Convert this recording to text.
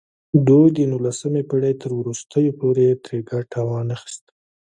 دوی د نولسمې پېړۍ تر وروستیو پورې ترې ګټه وانخیسته.